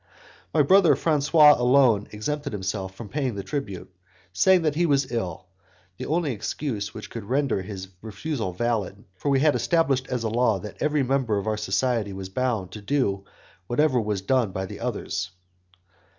My brother Francois alone exempted himself from paying the tribute, saying that he was ill, the only excuse which could render his refusal valid, for we had established as a law that every member of our society was bound to do whatever was done by the others.